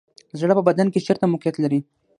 زړه په بدن کې چیرته موقعیت لري